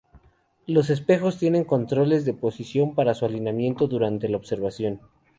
Los espejos tienen controles de posición para su alineamiento durante la observación.